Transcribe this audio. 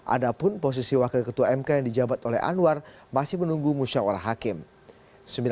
ada pun posisi wakil ketua mk yang dijabat oleh anwar masih menunggu musyawarah hakim